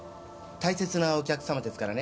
大切なお客さまですからね